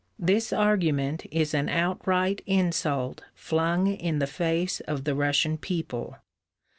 This argument is an outright insult flung in the face of the Russian people.